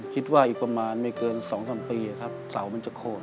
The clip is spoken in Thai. คิดว่าอีกประมาณไม่เกิน๒๓ปีครับเสามันจะโคน